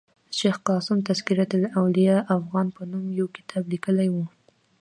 شېخ قاسم تذکرة الاولياء افغان په نوم یو کتاب لیکلی ؤ.